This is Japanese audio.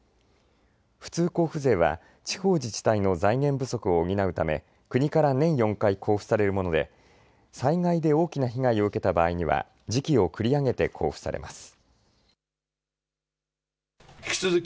普通交付税は地方自治体の財源不足を補うため国から年４回交付されるもので災害で大きな被害を受けた場合には時期を繰り上げて交付されます。